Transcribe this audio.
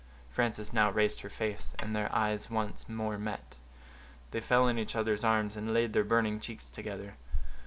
Frances now raised her face, and their eyes once more met; they fell in each other's arms, and laid their burning cheeks together.